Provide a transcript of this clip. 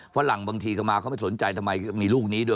ฝรั่งบางทีก็มาเขาไม่สนใจทำไมมีลูกนี้ด้วย